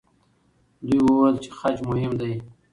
دوی وویل چې خج مهم دی.